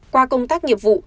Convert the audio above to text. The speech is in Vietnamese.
qua công tác nghiệp vụ